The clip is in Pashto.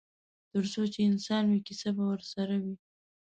ترڅو چې انسان وي کیسه به ورسره وي.